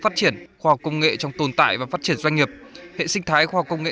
phát triển khoa học công nghệ trong tồn tại và phát triển doanh nghiệp hệ sinh thái khoa học công nghệ